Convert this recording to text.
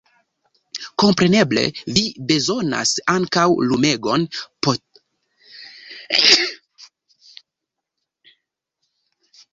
Kompreneble, vi bezonas ankaŭ lumegon – petrolan lumigilon aŭ elektran lampon kun akumulilo.